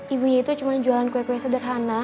ibunya itu cuma jualan kue kue sederhana